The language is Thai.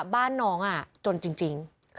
บ้านน้องจนจริง